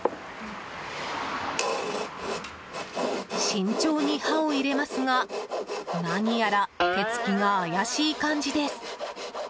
慎重に刃を入れますが何やら手つきが怪しい感じです。